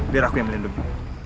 biar aku yang melindungi